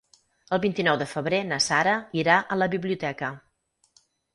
El vint-i-nou de febrer na Sara irà a la biblioteca.